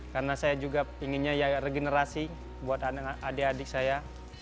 karena saya juga inginnya ya regenerasi buat adik adik saya